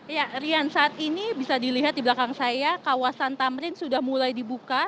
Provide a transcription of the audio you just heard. ya rian saat ini bisa dilihat di belakang saya kawasan tamrin sudah mulai dibuka